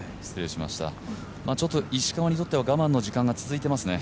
ちょっと、石川にとっては我慢の時間が続いていますね。